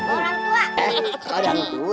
eh orang tua